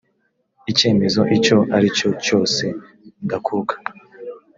icyemezo icyo ari cyo cyose ndakuka